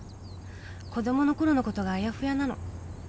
子供のころのことがあやふやなの。